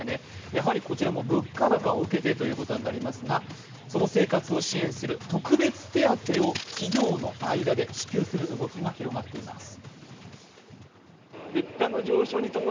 やはりこちらも物価高を受けてということになりますが、その生活を支援する特別手当を企業の間で支給する動きが広がっています。